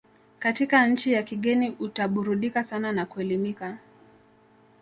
katika nchi ya kigeni utaburudika sana na kuelimika